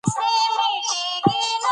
پوه انسان د ټولنې نعمت دی